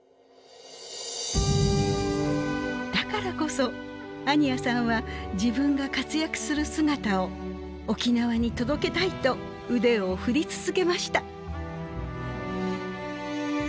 だからこそ安仁屋さんは自分が活躍する姿を沖縄に届けたいと腕を振り続けました。